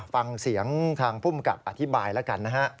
ฟังเสียงทางภูมิกับอธิบายแล้วกันนะฮะ